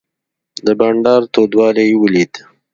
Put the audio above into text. د بانډار تودوالی یې ولید.